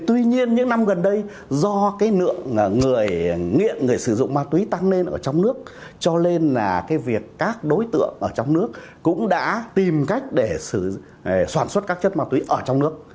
tuy nhiên những năm gần đây do cái lượng người nghiện người sử dụng ma túy tăng lên ở trong nước cho nên là cái việc các đối tượng ở trong nước cũng đã tìm cách để sản xuất các chất ma túy ở trong nước